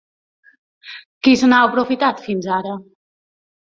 Qui se n’ha aprofitat fins ara?